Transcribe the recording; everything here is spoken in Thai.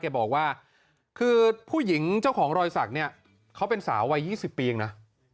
บอกว่าคือผู้หญิงเจ้าของรอยสักเนี่ยเขาเป็นสาววัย๒๐ปีเองนะ